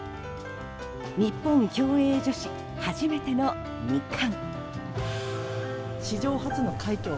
日本競泳女子初めての２冠。